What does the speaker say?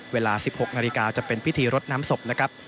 เวลา๑๖นาฬิกาจะเป็นพิธีรดน้ำศพนะครับ